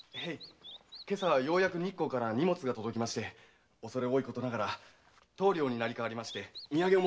今朝ようやく日光から荷物が届いておそれ多いことながら棟梁に成り代わりまして土産を持って参りました。